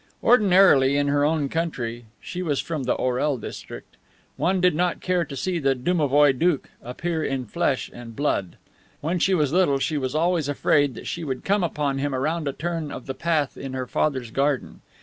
Ordinarily in her own country (she was from the Orel district) one did not care to see the domovoi doukh appear in flesh and blood. When she was little she was always afraid that she would come upon him around a turn of the path in her father's garden.